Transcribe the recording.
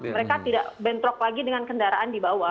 mereka tidak bentrok lagi dengan kendaraan di bawah